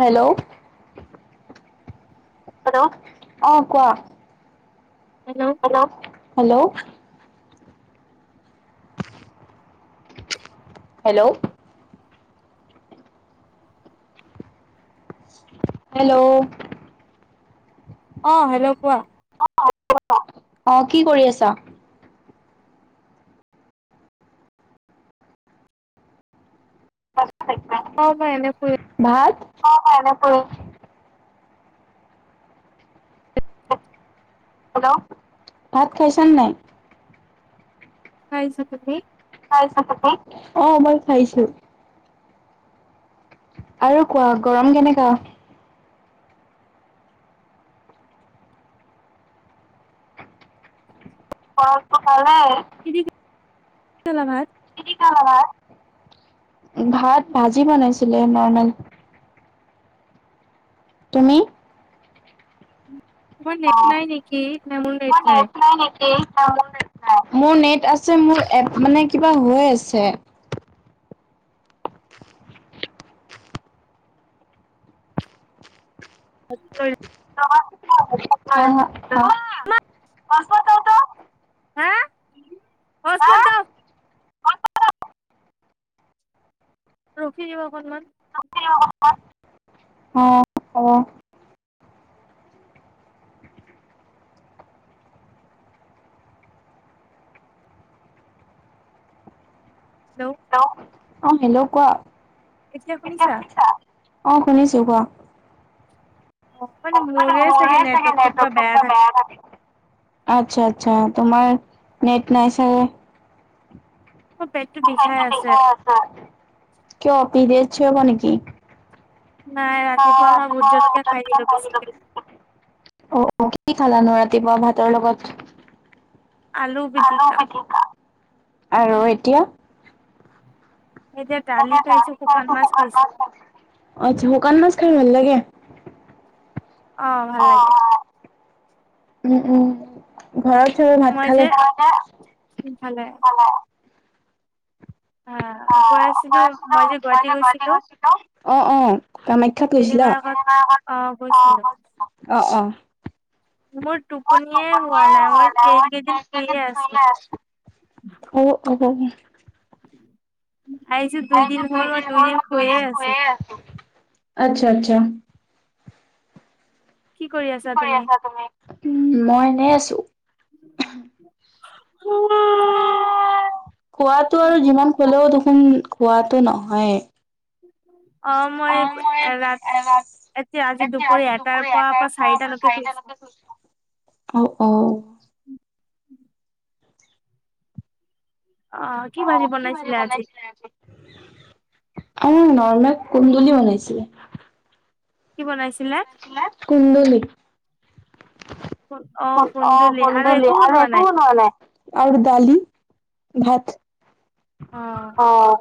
Hello. Hello অঁ', -কোৱা? Hello. Hello hello. Hello. Hello. অঁ', -হেল্ল' কোৱা? অঁ' কি কৰি আছা? [unintelligible] অঁ', মই এনেই ফুৰি ভাত, অঁ', [unintelligible] হেল্ল' ভাত খাইছা নে নাই? খাইছো। তুমি? অঁ', -মই খাইছো। আৰু কোৱা গৰম কেনেকা? গৰমটো ভালে। [unintelligible] কি দি খালা ভাত? ভাত ভাজি বনাইছিলে নৰ্মেল। তুমি? অঁহ', [inaudible] নাই নেকি? মোৰ নেট আছে মোৰ এপ মানে কিবা হৈ আছে। [unintelligible] [unintelligible] [unintelligible] ৰখি দিব অকণমান। [inaudible] অঁহ', -অঁহ',। হেল্ল'। হেল্ল', অঁ', -হেল্ল' কোৱা? এতিয়া শুনিছা? অঁ' শুনিছো কোৱা? অ' মানে নেটৱৰ্কতটো কিবা বেয়া থাকে। আচ্ছা'-আচ্ছা' তোমাৰ নেট নাই ছাগে। বেগটো কিয় অ পিজ চ হ'ব নেকি? নাই। [unintelligible] অঁ' অঁ' কি খালাা নো ৰাতিপুৱা ভাতৰ লগত‌? আৰু এতিয়া? আচ্ছা' শুকান মাছ খাই ভাল লাগে? অহ' ভাল লাগে। উম উম। ঘৰত চবে ভাত খালে? [unintelligible] অঁ' অঁ'। শিক্ষাক লৈছিলা অ', অ'। মোৰ টোপনিয়ে হোৱা নাই মই এইকেইদিন শুইয়ে আছো। [unintelligible] দুই দিন শুই এ আছোঁ, আচ্ছা'-আচ্ছা'। কি কৰি আছা তুম, মই এনেই আছোঁ। [unintelligible] খোৱাটো আৰু যিমান খালেও দেখোন খোৱাটো নহয়। অ', মই এ [unintelligible] আজি দুপৰ এটাৰ পৰা পৰা চাৰিটাালকে শুনিছোঁ, অঁ'অঁ'। উম। অঁ' কি ভাজি বনাইছিলে আজি? আমাৰ নৰ্মেল কুন্দুলী বনাইছিলোঁ। কি বনাইছিলা? কুন্দুলী। ক, অ', কুন্দুলী আৰু একো বনোৱা নাই? আৰু দালি ভাত। অ',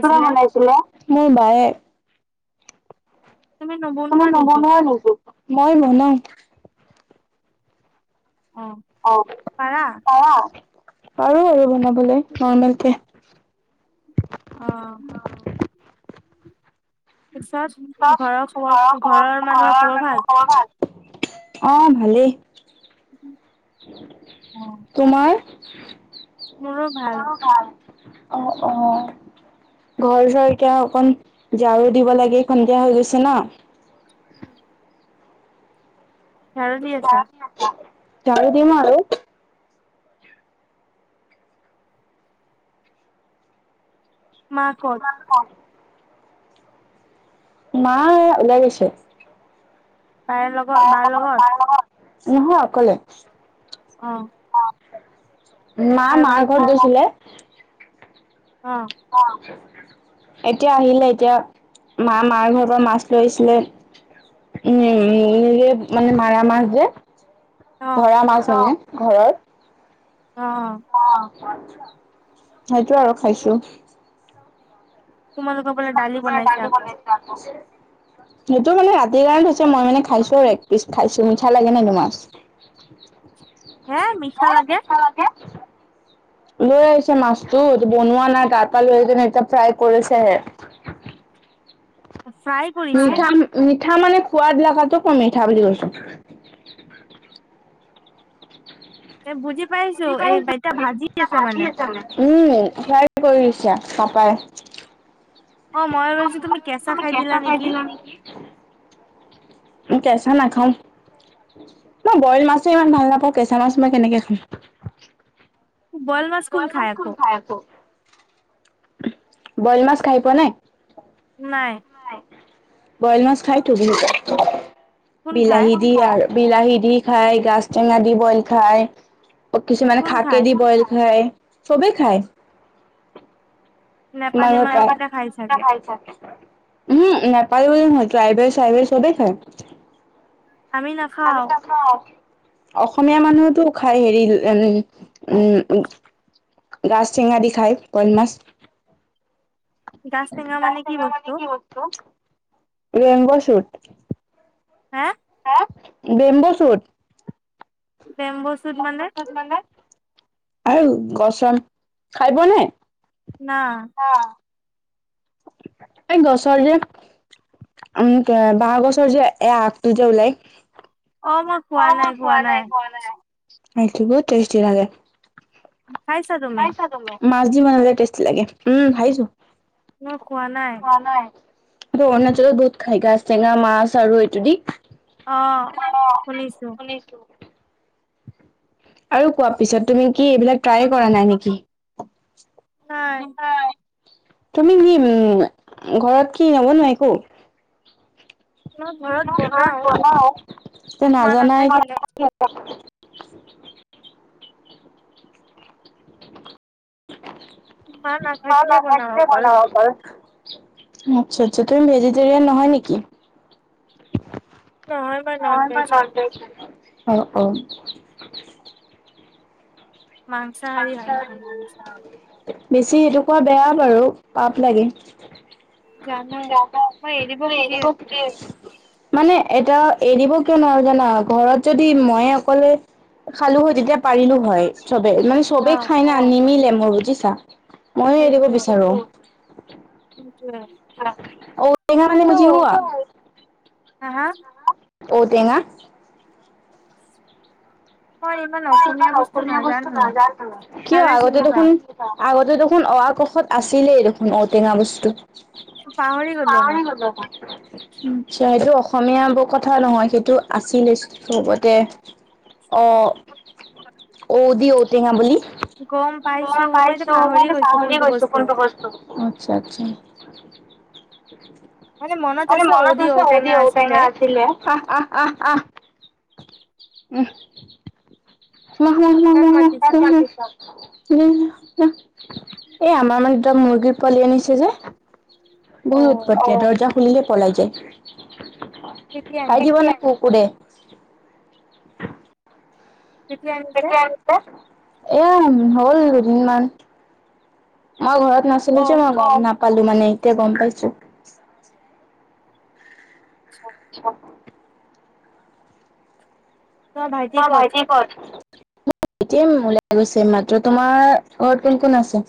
কোনে বনাইছিলে, মোৰ বায়ে। তুমি নবনোৱা নেকি, মই বনাও। অ'। অঁ' পাৰা, পাৰোঁ আৰু বনাবলৈ নৰ্মেলকে। অ'। ঘৰৰ খবৰ, ঘৰৰ মানু্হৰ খবৰ ভাল? অ', ভালেই। উম। তোমাৰ? অ', অ'। ঘৰ চৰকিয় অকণ ঝাৰু দিব লাগে সন্ধিয়া হৈ গৈছে ন। উম। ঝাৰু দিম আৰু। মা ক'ত? [unintelligible] মা ওলাই গৈছে। বায়ৰ লগত বাৰ লগত। নহয় অকলে। অঁ। মা মাৰ ঘৰত গৈছিলে। অঁ। অঁ। এতিয়া আহিলে এতিয়া মায়ে মাৰ ঘৰৰ পৰা মাছ লৈ আহিছিলে। উমঁ' নিজে মানে মৰা যে ধৰা মাছ ঘৰৰ। অহ'। অঁ' সেইটো আৰু খাইছোঁ। তোমালোকৰ সেইটো মানে ৰাতিৰ কাৰণ হৈছে মই মানে- খাইছোঁ আৰু এক পিছ খাইছোঁ, মিঠা লাগে নাই মাছ। হে মিঠা লাগে। লৈ আহিছে মাছতটো বনোৱা নাই তাৰ পাৰা লৈ এতিয়া ফ্ৰাই কৰিছেহে। ফ্ৰাই। মিঠা মিঠা মানে হোৱাত লগাতো মই মিঠা বুলি কৈছোঁ। এ বুজি পাইছো এইতিয়া ভাজি আছে মানে। উমঁ' ফ্ৰাই কৰিছে পাপাই। অঁ' মই ভাবিছোঁ তুমি কেঁচা খাই দিলা নেকি। [unintelligible] কেঁচা নাখাওঁ। মই বইল মাছেই ইমান ভাল নাপাওঁ কেঁচা মাছ মই কেনেকে খাওঁ। বইল মাছ বইল মাছ কোন খাই আকৌ। বইল মাছ খাই পোৱা নাই? নাই। বইল মাছ খাইটো বহুতে, বিলাহী দি আৰু বিলাহী দি খাই, গাজ টেঙা দি বইল খায়। কিছুমানে খাকে দি বইল খায়, চবেই খায়। মানুহ মানুহকেইটা ভাই থাকে। নেপালী বুলি নহয়, টাইবেল চাইবেল চবেই খায়। আমি নাখাওঁ। অসমীয়া মানুহতো খাই, হেৰি উম, উম। গাছ চেঙা দি খায় কইন মাছ। গাজ টেঙা মানে কি বস্তু, [unintelligible] হা? হা, বেম্বু চুট। বেম্বছুত মানে? আৰু গছ খাই পোৱা নাই? না। না, এই গছৰ যে বাহঁ গছৰ যে এ আগটো যে ওলাই। অ', খোৱা নাই খোৱা নাই, সেইটো বহুত টেষ্টি লাগে। খাইছাবা। খাইছা তুমি, মাছ দি বনালে টেষ্টি লাগে, উম, খাইছোঁ। মই খোৱা নাই। খোৱা নাই এইটো অৰুণাচলত বহুত খায় গাষ্টেংগা মাছ আৰু এইটো দি। অ', শুনিছোঁ। আৰু কোৱা, পিছত তুমি কি এইবিলাক ট্ৰাইয়ে কৰা নাই নেকি। হয়। তুমি কি ঘৰত কি নবনোৱা একো। মই ভাত বনাওঁ, তে নাজানাই এই যে। ৰা। [inaudible] ভ ন একে বনাব। আচ্ছা আচ্ছা, তুমি ভেজিটেৰিয়ান নহয় নেকি। অ', অ'। মাংসাহাৰী হয়, মই মাংসাহাৰী। বেছি এইটো কৰা বেয়া বাৰু পাপ লাগে। এনে ক। মানে এতিয়া এৰিব কিয় নোৱাৰোঁ জানা ঘৰত যদি মইয়ে অকলে। খালোঁ হয় তেতিয়া পাৰিলোঁ হয় সকলোৱে মানে সকলোৱে খায় নানিলে মোৰ বুজিছা। সেইটোৱেই সেইটোৱেই। ঔটেংগা মানে বুজি পোৱা। হা হা। ঔটেঙা। মই ইমান অসমীয়া বস্তু নাজানো কিয় আগতে দেখোঁ। আগতে দেখোন অ, আ, ক, খ, ত আছিলেই দেখোন ঔটেঙা বস্তু। পাহৰি গলো মই। আচছা সেইটো অসমীয়া বোৰ কথা নহয় সেইটো আছিল চবতে। অ', ঔ দি ঔটিঙা বুলি। অ', পাইছোঁ মই এইটো পাহৰি গৈছোঁ কোনটো বস্তু। অ আচ্ছা আচ্ছা। আৰে, মনত আছে, ঔদি ঔটেঙাআছিলে। আহ আহ আহ আহ উম। হৰ হৰ হৰ হৰ হৰ হৰ হৰ। হৰ হৰ যা এ আমাৰ মানে দুটা মুৰ্গী পোৱালি আনিছে যে। বহুত উতপাত দৰ্জা খুলিলে পলাই যায়। খাই দিব দে কুকুৰে। [unintelligible] কেতিয়া আনিছে। এয়া হ'ল দুদিনমান মই ঘৰত নাছিলোঁ। গম নাপালোঁ মানে এতিয়া গম পাইছোঁ। আচ্ছা। আচ্ছা। তোমাৰ ভাইটি ক'ত। এতিয়া ওলাই গৈছে এইমাত্ৰ তোমাৰ ঘৰত কোন কোন আছে।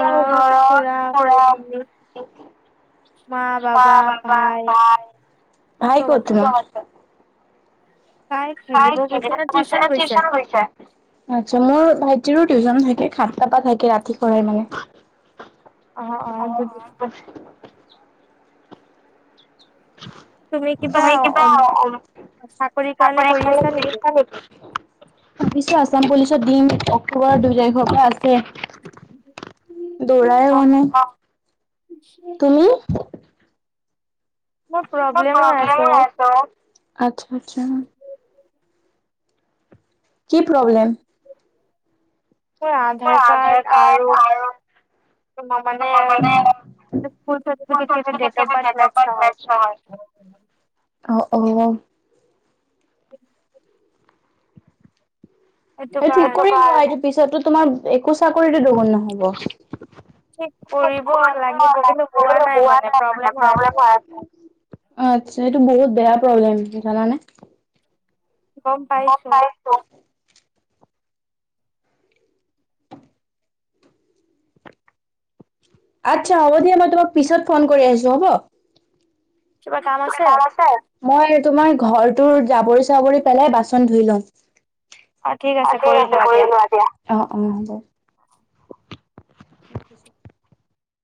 মোৰ ঘৰত খুৰা -খুৰি আছে। ভাই ক'ত তোমাৰ? ভাই কেইদিনমান আগতে টিউচন গৈছে। আচ্ছা মোৰ ভাইটিৰো টিউশন থাকে সাতটা পৰা থাকে ৰাতি শই মানে। অ' অ'। নহয় কিবা ফাফৰে খালে নেকি। ভাবিছোঁ আছাম পুলিচৰ দিম অক্টোবৰৰ দুই তাৰিখৰ পৰা আছে। দৌৰাই হোৱা নাই তুমি? প্ৰব্লেম আচ্ছা আচ্ছা। কি প্ৰব্লেম? মোৰ আধাৰ কাৰ্ড আৰু তোমাৰ মানে চি ডেট অফ বাৰ্থ মেটচ নহয়। অ', অ'। [inaudible] পিছতো তোমাৰ একো চাকৰিটো দগুণ নহব। ঠিক কৰিব লাগিব কিন্তু পোৱা নাই মানে প্ৰব্লেম হৈ আছে। অ', আচ্ছা সেইটো বহুত বেয়া প্ৰব্লেম জানানে। গম পাইছো। আচ্ছা হ'ব দিয়া মই তোমাক পিছত ফোন কৰি আহিছো হ'ব? কিবা কাম কাম আছে, মই তোমাৰ ঘৰটোৰ জাবৰি চাবৰি পেলাই বাচন ধুই লম। অ', ঠিক আছে কৰি লোৱা দিয়া অ'।